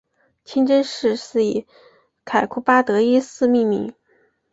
清真寺是以凯库巴德一世命名。